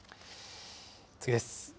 次です。